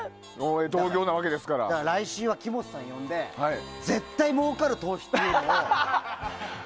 だから来週は木本さんを呼んで絶対もうかる投資っていうのを。